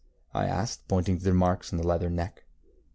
ŌĆØ I asked, pointing to the marks upon the leathern neck.